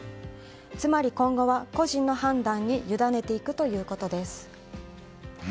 つまり今後は個人の判断にゆだねていくということです。